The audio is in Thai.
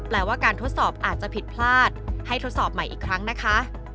ว่าการทดสอบอาจจะผิดพลาดให้ทดสอบใหม่อีกครั้งนะคะ